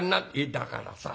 だからさ